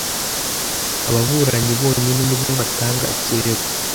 ababuranyi bonyine ni bo batanga ikirego